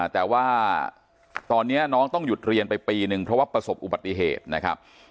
แต่ว่าตอนนี้น้องต้องหยุดเรียนไปปีนึงเพราะว่าประสบอุบัติเหตุนะครับ